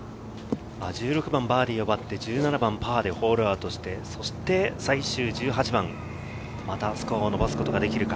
１６番、バーディーを奪って１７番パーでホールアウトして最終１８番、またスコアを伸ばすことができるか。